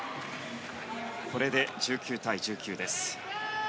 これで１９対１９です。